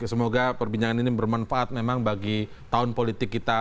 semoga perbincangan ini bermanfaat memang bagi tahun politik kita